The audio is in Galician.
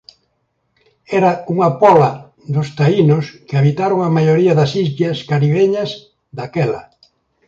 Eran unha póla dos taínos que habitaron a maioría das illas caribeñas daquela.